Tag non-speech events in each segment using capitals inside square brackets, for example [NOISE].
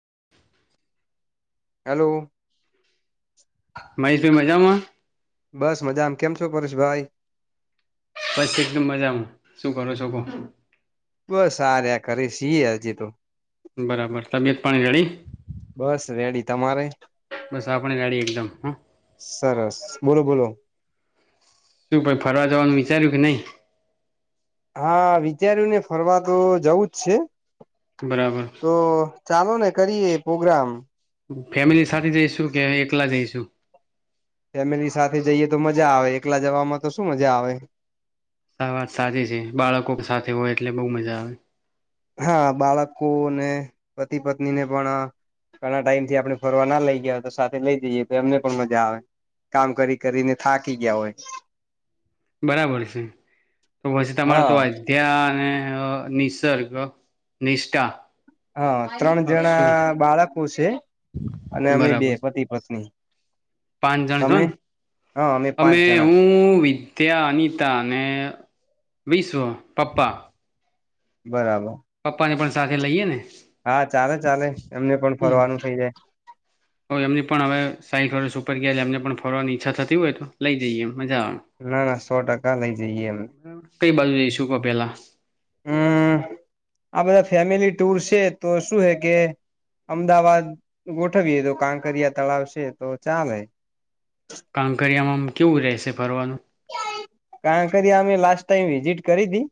[UNINTELLIGIBLE] [INAUDIBLE] Hello મહેશભાઈ મજામાંમાં? બસ મજા આમ કેમ છો? પરેશ ભાઈ બસ એક એકદમ મજમ સગ ર સકોો બસ સાર આ કરીરે સી હજી તો બરાબર તબિયત પાણી રેડી. બસ રેડી તમારે બસ આપણી ગાડી એકદમ હા સરસ બોલો બોલો શું પછી ફરવા જવાનું વિચાર્યું કે નહી હા વિચાર્યું ને ફરવા તો જવું જ છે બરાબર તો ચાલો ને કરીએ પોગ્રામ ફેમિલી સારી જઈશું કે એકલા જઈશું ફેમિલી સાથે જઈએ તો મજા આવે એકલા જવાવામાં તો શું મજા આવે આ વાત સાચી છે બાળકો સાથે હોય એટલે બહુ મજા આવે હા બાળકો ને પતિ પત્નીને પણ ઘણા ટાઈમ થી આપણે ફરવા ના લઈ ગયા હોય તો સાથે લઈ જઈએ તો એમને પણ મજા આવે કામ કરી કરીને થાકી ગયા હોય બરાબર છે તો પછી તમારે તો હા અધ્યા અને અ નિસર્ગ નિષ્ઠા હા ત્રણ અક્ષુ જણા બાળકો છે અને અમે બે બરાબર પતિ પત્ની પાંચ જણ છો તમે ને હા પાંચ અમે જણા હું ત્યાં અનિતા અને વિશ્વ પપ્પા બરાબર પપ્પાને પણ સાથે લઈએ ને હા ચાલે ચાલે એમને પણ હમ ફરવાનું થઇ જાય તો એમની પણ હવે સાઈ વર્સ ઉપર ગયા એમને પણ ફરવાની ઈચ્છા થતી હોય તો લઈ જઈએ એમ ના ના સો ટકા લઈ જઈએ એમ બરાબર કઈ બાજુ જઈશું કહ પેલા હમ આ બધા ફેમિલી ટુર છે તો શું હે કે અમદાવાદ ગોઠવીયએ તો કાંકરિયા તળાવ છે તો ચાલે હૈ કાંકરિયામાં કેવું રહેશે ફરવાનું કારણ કરી અમે લાસ્ટ ટાઈમ વિઝિટ કરી દી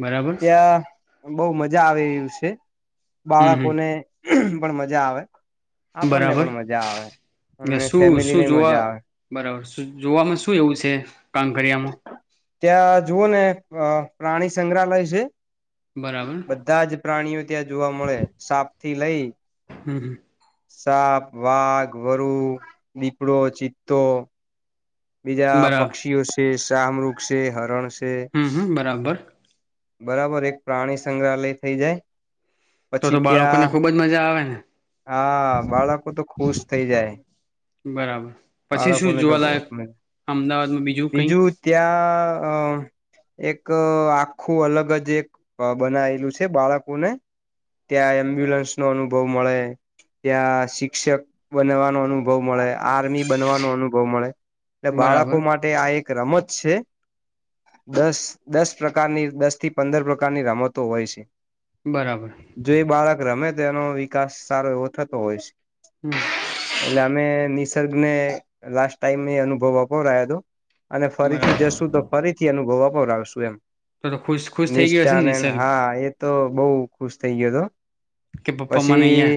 બરાબર ત્યાં બહુ મજા મજા આવે એવી છે હમ હમ બાળકોને પણ મજા આવે આપણને બરાબર પણ મજા આવે અને શું ફેમિલીને શું જોવા મજા આવે બરાબર જોવામાં શું એવું છે કાંકરિયામાં ત્યાં જુઓ ને અ પ્રાણી સંગ્રહાલય છે બરાબર બધા જ પ્રાણીઓ ત્યાં જોવા મળે સાપ થી લઈ હમ હમ સાપ વાઘ વરુ દીપડો ચિત્તો બીજા બરાબર પક્ષીઓ છે. ચાામૃક્ષ છે હરણ છે હમ હમ બરાબર. બરાબર એક પ્રાણી સંગ્રહાલય થઇ જાય. તો તો પછી બાળકોને ત્યાં ખુબ જ મજા આવે ને હા બાળકો તો ખુશ થઈ જાય બરાબર પછી શું બાળકોને તો જોવાલાયક બહ અમદાવાદમાં કઈ બીજું ત્યાં અ એક આખું અલગ જ એક બનાયલું છે બાળકોને ત્યાં એમ્બ્યુલન્સ નો અનુભવ મળે ત્યાં શિક્ષક બનાવાનો અનુભવ મળે. આર્મી બનવાનો અનુભવ મળે. એટલે બરાબર બાળકો માટે આ એક રમત છે દસ દસ પ્રકારની દસ થી પંદર પ્રકારની રમતો હોય છે. બરાબર જો એ બાળક રમે તેનો વિકાસ સારો એવો થતો હોય છે. હમ [UNINTELLIGIBLE] ને લાસ ટાઈમ અનુભવ આપપો રહીયો હતો અને બરાબર ફરીથી જશું તો ફરીથી અનુભવ આપ બર આવશું એમ. તો તો ખુશ ખુશ થઈ ગયો હશે ને નિષ્ઠાને નિસર્ગ હા એ તો બહુ. ખુજતેઈયો તો કે પાપા મનએ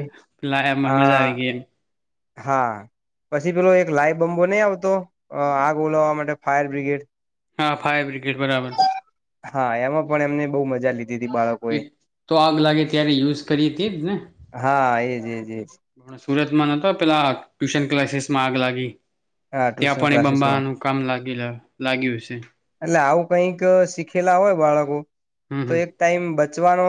લાયા એ આ મજા એમ. હા પછી પેલો એક લાઈવ બમ્બો નહી આવતો આગ ઓલાવવા માટે ફાયર બ્રિગેડ હા ફાયરબ્રિગેડ. [UNINTELLIGIBLE] હા એમાં પણ એમને બહુ મજા લીધી હતી એ બાળકોએ તો આગ લાગે ત્યારે યુઝ કરીએ હતીજ હા એજ એજ એજ સુરતમાં નતો પેલા ટ્યુશન ક્લાસીસમાં આગ લાગી. હા ત્યાં ટ્યુશન પણ એ ક્લાસીસમાં બંબાનું કામ લાગ લાગ્યું છે. એટલે આવું કઈક શીખેલા હોય બાળકો હમ તો હમ એક ટાઈમ બચ બચવાનો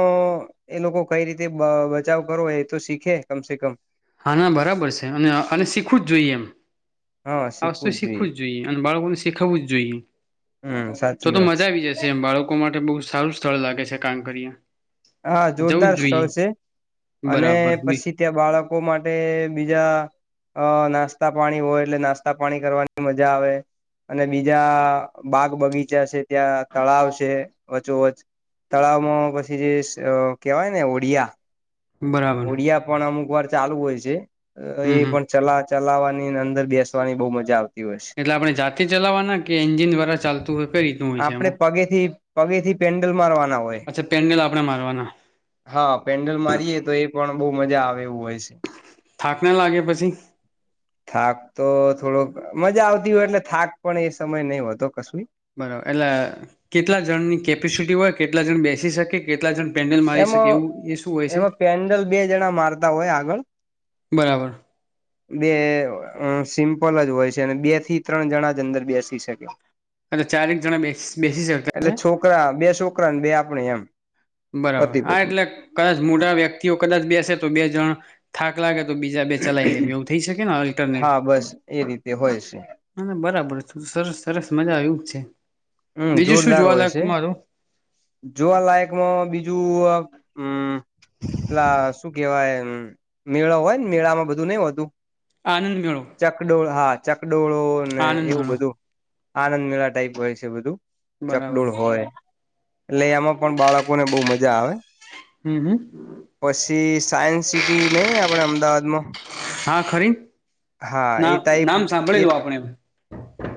એ લોકો કઈ રીતે બચાવ કરવો એ તો શીખે કમસે કમ. હા ના બરાબર છે અને અને શીખવું જ જોઈએ એમ. આ વસ્તુ શીખવું જ જોઈએ અને બાળકોને શીખાવવું જ જોઈએ હમ તો સાચી તો વાત મજા છે આવી જશે એમ બાળકો માટે માટે બહુ સારું સ્થળ લાગે છે કામ કર્યા. હા, જોરદાર સ્થળ છે અને બરાબર બી પછી ત્યાં બાળકો મા ટે બીજા અ નાસ્તા પાણી હોય એટલે નાસ્તા પાણી કરવાની મજા આવે અને બીજા બાગ બગીચા છે, ત્યાં તળાવ છે. વચોવચ તળાવમાં પછી જે એ કેવાય ને ઓડિયા બરાબર ઓડિયા પણ અમુક વાર ચાલુ હોય છે. જે હમ એ હમ પણ ચલા ચલાવવાની અને અંદર બેસવાની બહુ મજા આવ એટલે આપણે જાતે ચલાવાના કે એન્જિન દ્વારા ચાલતું હોય કઈ રીતનું હોય છે આપણે એમાં? પગેથી પગેથી પેન્ડલ મારવાના હોય અચ્છા પેડલ આ આપણે મારવાના. હા, પેન્ડલ મારીએે તો એ પણ બહુ મજા આવે. હોય છે. થાક ના લાગે પછી થાક તો થોડોક મજા આવતી હોય એટલે થાક પણ એ સમય નહિ હોતો કશું. બરાબર એટલે કેટલા જણની કેપેસિટી હોય કેટલા જણ બેસી શકે, કેટલા જણ પેન્ડલ મારી શકે એમાં એવું એ શું હોય છે એમાં પેન્ડલ બે જણા મારતા હોય આગળ, બરાબર બે અ સિમ્પલ જ હોય છે અને બે થી ત્રણ જણા જ અંદર બેસી શકે. એટલે ચારેક જણા બેસી બેસી શકતા એટલે છે છોકરા બે છોકરા બે આપણે એમ. બરાબર, પતિ હા પત્ની એટલે કદાચ મોટા વ્યક્તિઓ કદાચ બેસે તો બે જણ થાક લાગે તો બીજા બે ચલાઈ લે એવું થઈ શકે ન હા, બસ એ રીતે હોય છે. ના ના, બરાબર સરસ સરસ મજા આવ એવું જ છે. હમ્મ, બીજું શું જોરદાર હોય જોવાલાયક છે. મારું જોવાલાયકમાં બીજું હમ્મ ઓલા શું કેહેવાય મેળો હોય ને મેળા માં બધું નઈ હોતું. આનંદ મેળો ચકડોળ, હા. ડોળો ને આનંદ એવું મેળો બધું. આનંદ મેળા ટાઈપ હોય છે. છે બધું બરાબર ચકડોળ હોય એટલે એમાં પણ બાળકોને બહુ મજા આવે. હમ્મ હમ્મ. પછી સાયન્સ સિટી નહી આપણે અમદાવાદમાં. હા ખરી. હા ના, એ ટાઈપ નામ એ સાંભળેલું આપણે.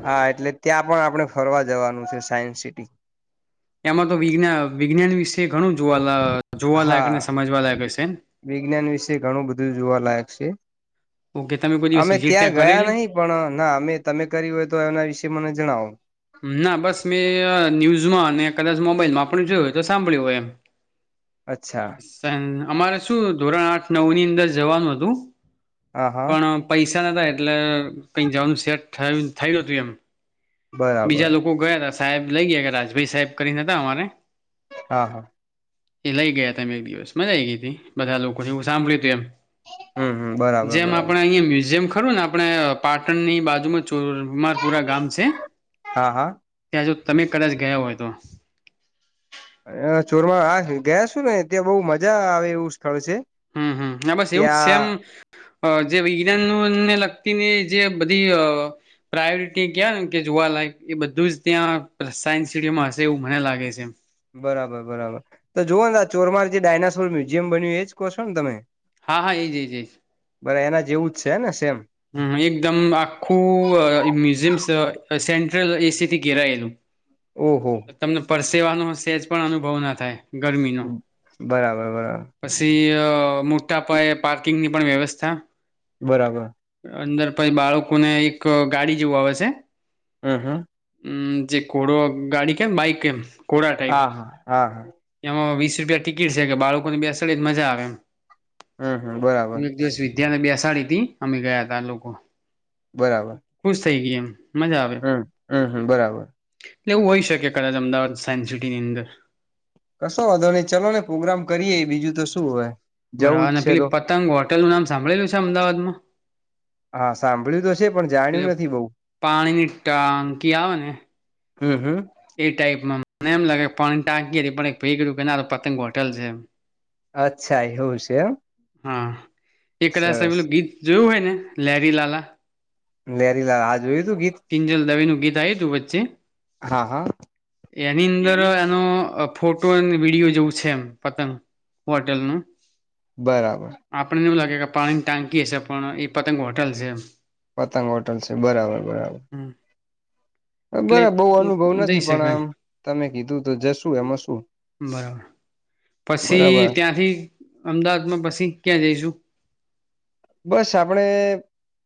હા એટલે ત્યાં પણ આપણે ફરવા જવાનું છે સાયન્સ સિટી. એમાં તો વિજ્ઞ વિજ્ઞાન વિશે ઘણું જોવા લા અ હા, વિજ્ઞાન વિશે ઘણું બધું જોવાલાયક છે. છે. ઓકે તમે કોઈ દિવસ અમે વિઝિટ ત્યાં ગયા કરેલી નહી પણ ના અમે તમે કરી હોય, તો એના વિશેે મને જણાવો. ના બસ મેં ન્યૂઝમાં અને કદાચ મોબાઈલમાં આપણે જોયું હોય તો સાંભળ્યું હોય, અચ્છા એમ [UNINTELLIGIBLE] અમારે શું ધોરણ આઠ નવ ની અંદર જવાનું હતું, હા હા પણ પૈસા પ એટલે કઈક જવાનું સેટ થ થયું હતું, એમ બીજા બરાબર લોકો ગયા હતા, સાહેબ લઈ ગયા કે રાજભાઈ સાહેબ કરીનેતા અમારે હા હા એ લઈ ગયા ત એમ એક દિવસ મજા આવી ગઈ હતી, બધા લોકોને એવું સાંભળ્યું તું એમ હમ હમ બરાબર જેમ બરાબર આપડે અહં મ્યુઝિયમ ખરું ને આપણે પાટણની બાજુમાં ચોરમારપુરા ગામ છે, હા હા તમે કદાચ ગયા હોય તો, ચોરમાં ગયા છું, ને ત્યાં બહુ મજા આવે એવું સ્થળ છે. હમ્મ હમ્મ બસ એવું જ સેમ ત્યાં જે વિજ્ઞાનને લ વ્યતિની જે બધી પ્રાયોરિટી કયા ને કે જોવા લયક એ બધું જ ત્યાં સાયન્સ સમાં હશે એવું મને લાગે છે. બરાબર બરાબર તો જોઓ ને આ ચોરમાર જે ડાયનાસોર મ્યુઝિયમ બન્યું એ જ કહશો ને તમે? હા હા એ જ જજ બરા એના જેવું જ છે ને સેમ હમ એકદમ આખું મ્યુઝિયમ સેન્ટ્રલ એસીથી ઘેરાયલું ઓહો તમને પરસેવાનું હશે જ પણ અનુભવ ના થાય, ગરમી ન બરાબર બરાબર પછી મોટા પાયે પા ની પણ વ્યવસ્થા બરાબર અંદર પછ બાળકો ને એક ગાડી જેવ આવે છે, હમ્મ હમ્મ હમ જે કોડ ગાડી કેમ બઇક કેમ હા હા હા હા હ વીસ રૂપિયા ટિકિટ છે, કે બાળકો ની બે અસળે જ મજા આવે એમ હમ્મ હમ્મ બરાબર ત્યાંને બેસાડી થી અમે ગયા ત લોકો બરાબર ખુશ થઈ એમ મજા આવે હમ હમ હમ બરાબર એટલે એવું હોય શકે કદાચ અમદાવાદ સાયન્સ સિટીની અંદર કશોં વાધો નય ચાલો ને પ્રગ્રામ કરીએ બીજું તો શું હવે જવું બરાબર જ અને છે પેલી તો પતંગ હોટેલ નું નામ સાંભળેલું છે અમદાવાદમાં બ તો છે પણ પ જાણ્યું નથી બઉ પાણીની ટાંકી આવે ને હમ હમ એ ટાઈપમાં મને એમ લાગે પાણી ટાંકી પણ એક ભઈ એ કીધું કે ના આતો પતંગ હોટલ છે એમ અચ્છા એવું છે એમ હા એ કદાચ સરસ પેલું ગીત જોયું હોય ને લેરી લાલા લેરીલાલા આ જોયું તું ગીત કિંજલ દવે નું ગીત આયુ તું વચ્ચે હા હા એની અંદર એનો ફોટો અને વિડીયો જેવું છે એમ પતંગ હોટેલ નું બરાબર પાણી ની ટાંકી હ છે પણ એ પતંગ હોટલ છે પતંગ હોટલ છે બરાબર બરાબર એટલે બબર બહુ એ અનુભવ જઈ નથી પણ શકાય આમ તમે કીધું તો જશુ એમાં શું બરાબર બરાબર પછી ત્યાંથી અમદાવાદમાં પછી ક્યાં જઈશું બસ આપણે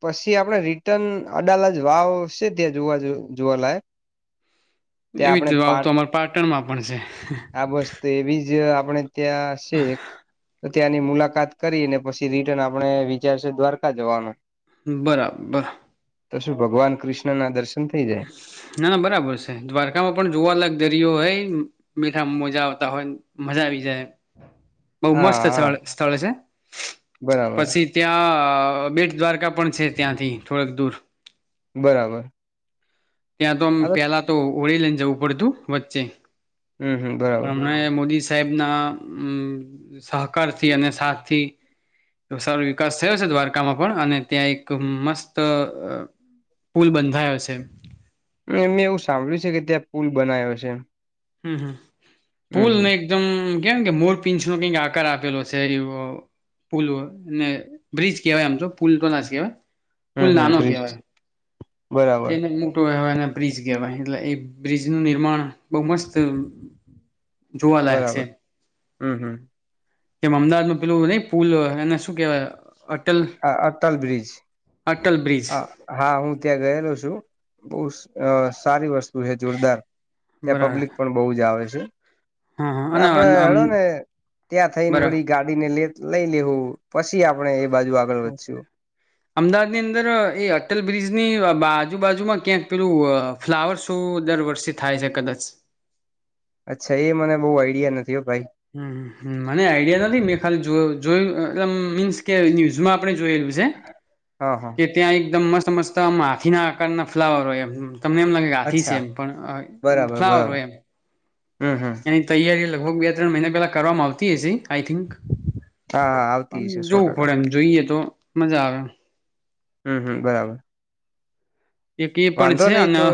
પછી આપણે રિટર્ન અડાલાજ વાવ છે ત્યાં જોવા જોવાલાય એવી રીતે આવ તો અમાર પા રટનમાં પણ છે આ બસ્ત એ બીજ આપણે ત્યાં છે ત્યાંની મુલાકાત કરીને પછી રિટર્ન આપણે વિચારશે દ્વારકા જવાનો બરાબર તો શું ભગવાન કૃષ્ણ ના દર્શન થઈ જાય ના ના બરાબર છે દ્વારકામાં પણ જોવાલા દરિયો હોય મીઠા મજા આવતા હોય ને મજા આવી જાય બહુ હા મસ્ત હા સ્થળ સ્થળ છે બરાબર પછી ત્યાં અ બેટ દ્વારકા પણ છે ત્યાંથી થોડક દૂર બરાબર ત્યાં તોમ હ પેલા તો ઓળ લઈને જવું પડતું વચ્ચે હમ હમ બરાબર હમણા મોદી સા સાહેબ ના સહકાર થી અને સાથથી સારો વિકાસ થયો છે દ્વારકામાં પણ અને ત્યાં એક મસ્ત પુલ બંધાયો છે મેં એવું સાંભળ્યું છે કે ત્યાં પુલ બનાવ્યો છે હમ હમ હમ પુલ હમ એકદમ કેમ કે મોર પિંચ નો કઈક આકાર આપેલો છેરી પુલ અને બ્રિજ કહેવાય આમ તો પુલ તો ના કહેવાય હમ પુલ હમ નાનો બ્રિજ કહેવાય બરાબર એને મોટુંવા બ્રિજ કહેવાય એટલે એ બ્રિજનુંું નિર્માણ બહુ મસ્ત જોવાલાયક છે બરાબર હમ હમ જેમ અમદાવાદ નું પેલું નહી પુલ એને શું કેહેવાય અટલ આ અટટલ બ્રિજ અટલ બ્રિજ હ હા હું ત્યાં ગયેલો છ બ સારી વસ્તુ જોરદાર ત્યાં બરાબર પબ્લિક પણ બહુ જ આવે છે હા હા આપડે અને અમ હેળો ને ત્યાં થઈને બરા વળી ગાડી ને લે લઈ લેવું પછી આપડણે બાજુ આગળ વધ્યું અમદાવાદની એ અટલ બ્રિજ ની આજુબાજુમાં ક્યાંક પેલું ફ્લાવર શો દર વર્ષે થાય છે કદાચ અચ્છા એ મને બહુ આઈડિયા નથી ભાઈ હ મને આઈડિયા નથી મેં ખાલી જોયું એ મીન્સ કે ન્યૂઝમાં આપણે જોયેલું છે હા હા કે ત્યાં એકદમ મસ્ત મસ્ત હાથી ના આકાર ના ફ્લાવર હોય એમ તમને એમ લાગે આથી છે અચ્છા એમ પણ બરાબર ફ્લાવર બરાબર હોય એમ હમ હમ એની તૈયારી લ લગભગ બે ત્રણ મહિના પહેલા કરવામાં આવતી હી આઈ થિંક હા હા પણ આવતી છે સો જોવું પડે ટકા એમ જોઈએ તો મજા આવે હમ હમ બરાબર એક એ પણ વાંધો છે નહી અને તો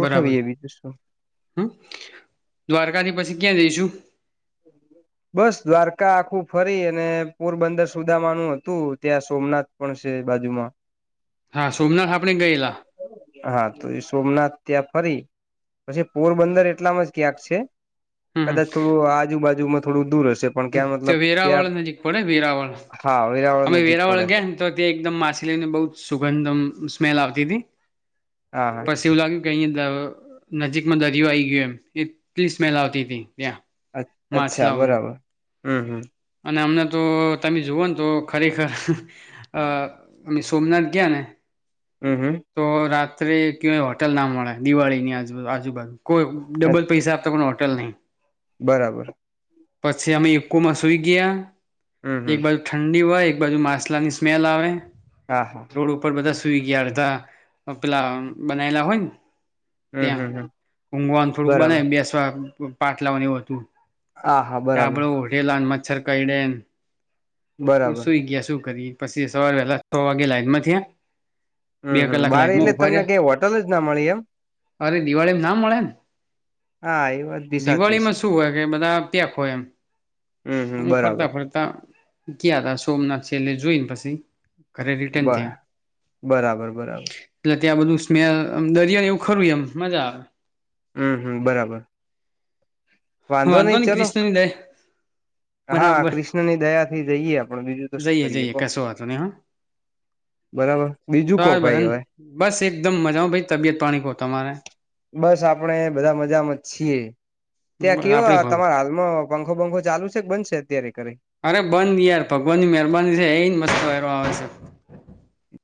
બરાબર બીજું શું હમ દ્વારકાથી પછી ક્યાં જઈશું બસ દ્વારકા આખું ફરી અને પોરબંદર સુદામાનું હતું ત્યાં સોમનાથ પણ છે બાજુમાં. હા સોમનાથ આપણે ગયેલા હા તો એ સોમનાથ ત્યાં ફરી પછી પોરબંદર એટલામાં જ ક્યાંક છે. કદાચ થોડું આ બાજુમાં થોડું દૂરશ. તે વેરાવળ નજીક પડે વેરાવળ. હા વેરાવળ અમે નજીક પડે વેરાવળા ગયા ને તો ત્યાં એકદમ માછ લઈને બહ જ સુગંધમ સ્મેલ આવતી હતી. હા હા પછી એવું લાગ્યું કે અહી ન નજીકમાં દરિયો આવી ગયો એમ એટલી સ્મેલ આવતી હતી. ત્યાં અ અચ્છા માછલાઓની બરાબર હમ્મ હમ્મ. અને અમને તો તમે જુવાન તો ખરેખર અ અમે સોમનાથ ગયા ને હમ તો રાત અત્રે કવાય હોટલ નામવાણા દિવાળીની આજ આજબ બાજુ કોઈ હમ ડબલ પૈસા આપ ત પણ હો ટલ નહી. બરાબર. પછી અમે એકકોમાં સુઈ ગયા. હમ એક હમ વાર ઠંડી હોય એક બાજુ માછલાની સ્મેલ આવે. હા હા રોડ ઉપર બધા સૂયગીયા તા પેલા બનાયલા હોય ન હમ ત્યાં હમ હમ ઊંઘવાનું થોડુંક બરાબર બનાય બેસવા પાછલાવાને એવુ હતું. હા હા બરાબર ડાભડો ઓઢેલા અને [UNINTELLIGIBLE] કઈ ડેમ પણ બરાબર સુઈ ગયા શું કરીએ. પછી સવાર વેલા છ વાગે લાાઈનમાં જોયે. હમ બે હમ કલાક બારે લાઈનમાં એટલે તમને ઉભાર્યા કઈ હોટલ જ ના મળી એમ અરે દિવાળી નામ મળેને હા એ વાત બી સાચી છે દિવાળીમાં શું હોય કે બધા ખો એમ હમ હમ અમે બરાબર ફરતા ફરતા. કયા તા સોમનાથ છે એટલે જોઈને પછી ઘરે રિટર્ન બ થયા બરાબર બરાબર. એટલે ત્યાં બધું સ્મેલ આમ દરિયો જેવું ખરું એમ મજા આવે. હમ્મ હમ્મ બરાબર. વાંધો નહી નઈ ચલો ક્રિષ્ણની દ હા બરાબર કૃષ્ણની દયાથી જઈએ આપણે બીજું તો શું જઈએ કરીએ જઈએ કો કશો વાતો નહી બરાબર બીજું કો હાાર ભાઈ હવે બસ એકદમ મજા ભ તબિયત પાણી ક તમારે. બસ આપણેે બધા મજામાં છીએ. ત્યાં કેવા આપડે ભાવ તમારા હાલમાં પંખો પંખો ચાલુ છે કે બનશે અત્યારે કરી? અરે બંધ યાર ભગવાન ની મહેરબાની છે એ મસ્તો કરવાવા આવે છે.